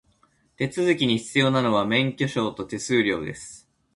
手続きに必要なのは、免許証と手数料です。